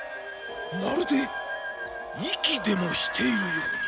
まるで息でもしているように。